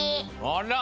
あら！